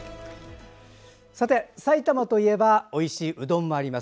さて、埼玉といえばおいしいうどんもあります。